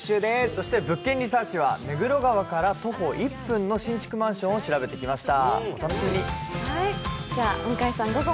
そして「物件リサーチ」は目黒川から徒歩１分の新築マンションを調べてきました。